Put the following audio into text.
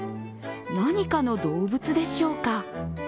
何かの動物でしょうか。